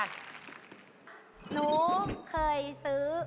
หนูเคยซื้อ